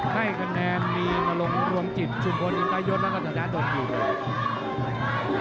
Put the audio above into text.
ให้คะแนนมีอารมณ์รวมจิตชุมพลอินตายศและศาสตร์โดนหยุด